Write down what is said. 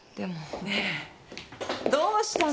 ねえどうしたの？